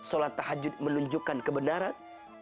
tiga sholat tahajud mengantarkan jalan keluar terbaik pada dirinya